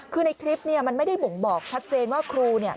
คือในคลิปเนี่ยมันไม่ได้บ่งบอกชัดเจนว่าครูเนี่ย